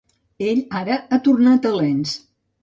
Ell ara ha tornat a Lens.